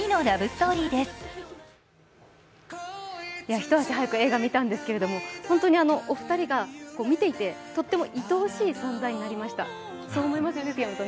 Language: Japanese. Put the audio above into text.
一足早く映画を見たんですけど、お二人が見ていてとってもいとおしい存在になりましたのそう思いますよね？